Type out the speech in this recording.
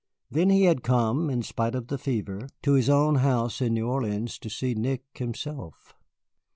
Then he had come, in spite of the fever, to his own house in New Orleans to see Nick himself.